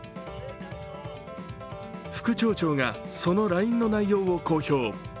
副町長がそのＬＩＮＥの内容を公表。